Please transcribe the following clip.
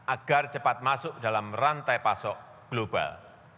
agar cepat masuk dalam rantai pasok global